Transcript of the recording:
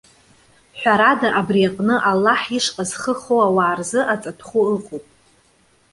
Ҳәарада, абри аҟны Аллаҳ ишҟа зхы хоу ауаа рзы аҵатәхәы ыҟоуп.